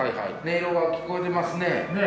音色が聞こえてますね。